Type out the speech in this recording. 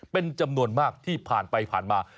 เป็นจำนวนมากที่ผ่านไปผ่านมา